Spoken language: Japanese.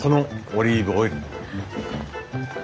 オリーブオイル！